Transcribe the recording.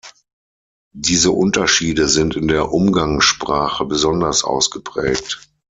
Diese Unterschiede sind in der Umgangssprache besonders ausgeprägt.